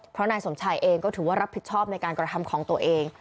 เพราะนายสมชายเองก็ถือว่ารับผิดชอบในการกระทำของตัวเอง